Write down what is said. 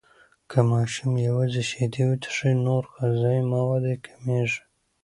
که ماشوم یوازې شیدې وڅښي، نور غذایي مواد یې کمیږي.